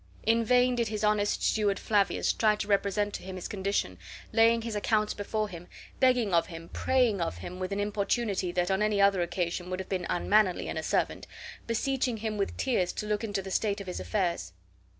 In vain did his honest steward Flavius try to represent to him his condition, laying his accounts before him, begging of him, praying of him, with an importunity that on any other occasion would have been unmannerly in a servant, beseeching him with tears to look into the state of his affairs.